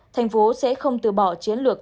thành phố sẽ không từ bỏ chiến lược